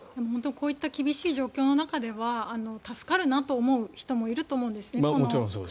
こういった厳しい状況の中では助かるなと思う人もいると思うんですね。